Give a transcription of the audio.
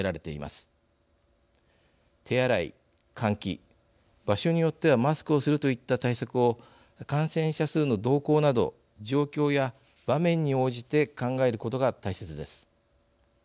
手洗い換気場所によってはマスクをするといった対策を感染者数の動向など状況や場面に応じて考えることが大切です。